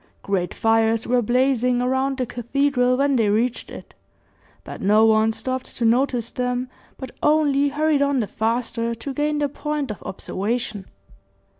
Great fires were blazing around the cathedral when they reached it, but no one stopped to notice them, but only hurried on the faster to gain their point of observation.